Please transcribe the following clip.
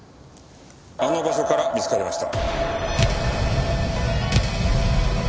あの場所から見つかりました。